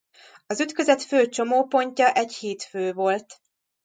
Az ütközet fő csomópontja egy hídfő volt.